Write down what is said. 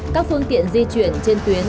các phương tiện di chuyển trên tuyến